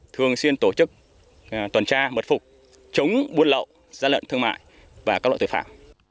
thường xuyên tổ chức tuần tra mật phục chống buôn lậu giá lợn thương mại và các loại tội phạm